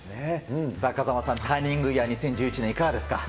さあ、風間さん、ターニングイヤー、２０１１年、いかがですか。